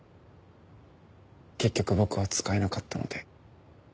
結局僕は使えなかったので。